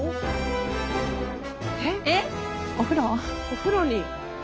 お風呂に。